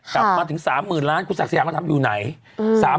ทำมาถึงสามหมื่นล้านคุณศักษีอยากมาทำอยู่ไหนอืมสาม